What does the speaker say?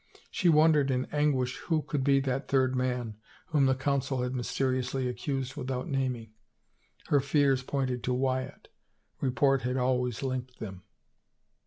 She wondered in anguish who could be that third man whom the council had myste riously accused without naming — her fears pointed to Wyatt. Report had always linked them.